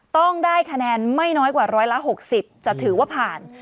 ต้องได้คะแนนไม่น้อยกว่าร้อยละ๖๐จะถือว่าผ่าน